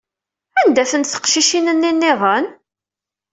Anda-tent teqcicin-nni niḍen?